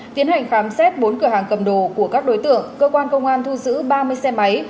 tiến hành khám xét bốn cửa hàng cầm đồ của các đối tượng cơ quan công an thu giữ ba mươi xe máy